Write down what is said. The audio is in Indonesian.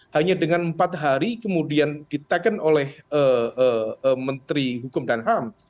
hanya dengan empat hari kemudian diteken oleh menteri hukum dan ham